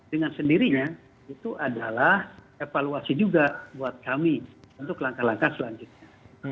dengan sendirinya itu adalah evaluasi juga buat kami untuk langkah langkah selanjutnya